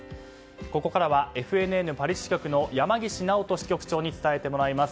ここからはＦＮＮパリ支局の山岸直人支局長に伝えてもらいます。